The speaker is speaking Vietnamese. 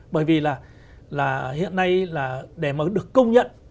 bởi vì là hiện nay là để mà được công nhận